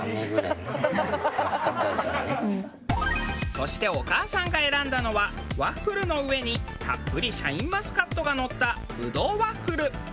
そしてお母さんが選んだのはワッフルの上にたっぷりシャインマスカットがのったブドウワッフル。